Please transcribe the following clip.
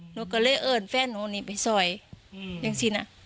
หนูก็เลยเอิญแฟนหนูนี่ไปซอยอย่างสินะ